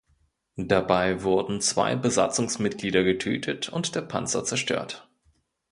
Dabei wurden zwei Besatzungsmitglieder getötet und der Panzer zerstört.